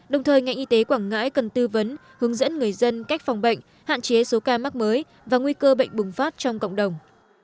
đồng thời ngành y tế quảng ngãi cần tư vấn hướng dẫn người dân cách phòng bệnh hạn chế số ca mắc mới và nguy cơ bệnh bùng phát trong cộng đồng